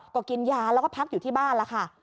ก็กินยาแล้วก็พักอยู่ที่บ้านแล้วค่ะ